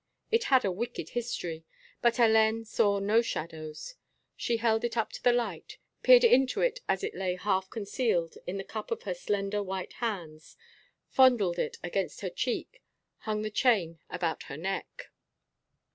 It had a wicked history. But Hélène saw no shadows. She held it up to the light, peered into it as it lay half concealed in the cup of her slender white hands, fondled it against her cheek, hung the chain about her neck.